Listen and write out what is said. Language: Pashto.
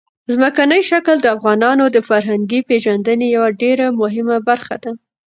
ځمکنی شکل د افغانانو د فرهنګي پیژندنې یوه ډېره مهمه برخه ده.